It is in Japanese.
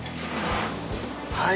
はい。